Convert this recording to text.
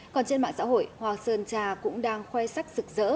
còn trên mạng xã hội hoa sơn trà cũng đang khoe sắc rực rỡ